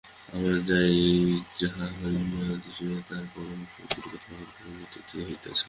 আমরা যাহা হই এবং যাহা করি, সে-সবই বারংবার সামান্য পরিবর্তিত আকারে পুনরাবর্তিত হইতেছে।